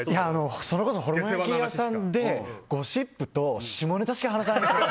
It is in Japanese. それこそホルモン焼き屋さんでゴシップと下ネタしか話さない。